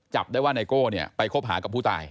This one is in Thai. จับได้ว่าไนโก้เนี่ยไปคบหากับผู้ตาย